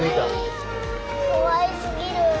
かわいすぎる。